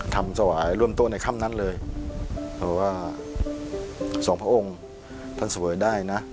ทำสวายร่วมต้นในคำนั้นเลยเพราะว่าส่องพระองค์ท่านสวยได้นะ